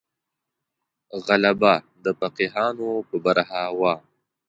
غلبه د فقیهانو په برخه وه.